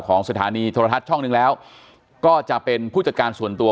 สถานีโทรทัศน์ช่องหนึ่งแล้วก็จะเป็นผู้จัดการส่วนตัว